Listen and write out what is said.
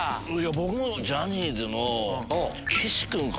僕ジャニーズの。